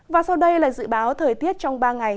và sau đây là dự báo thời tiết trong ba ngày